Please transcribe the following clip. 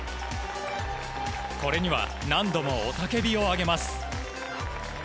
これには何度も雄たけびを上げます。